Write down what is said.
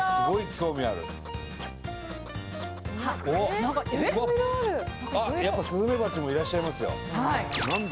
色々あるあっやっぱスズメバチもいらっしゃいますよ